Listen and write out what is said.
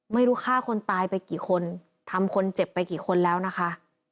ไม่รู้ฆ่าคนตายไปกี่คนทำคนเจ็บไปกี่คนแล้วนะคะ